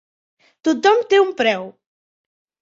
Tothom té un preu.